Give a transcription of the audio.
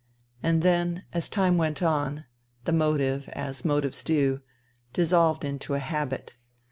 And then, as time went on, the motive, as motives do, dissolved into a habit.